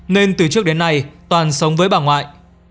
nên từ trước đến nay toàn sống với bà ngoại